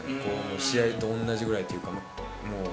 試合と同じぐらいというか、もう。